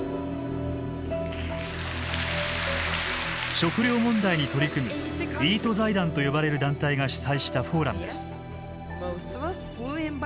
食料問題に取り組むＥＡＴ財団と呼ばれる団体が主催したフォーラムです。